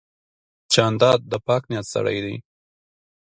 جانداد د پاک نیت سړی دی.